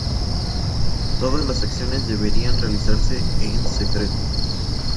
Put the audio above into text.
Todas las acciones deberían realizarse en secreto.